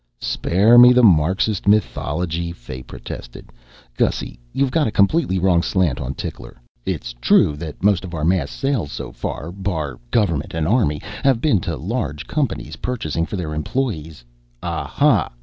"Spare me the Marxist mythology," Fay protested. "Gussy, you've got a completely wrong slant on Tickler. It's true that most of our mass sales so far, bar government and army, have been to large companies purchasing for their employees " "Ah ha!"